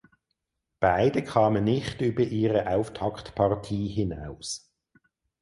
Beide kamen nicht über ihre Auftaktpartie hinaus.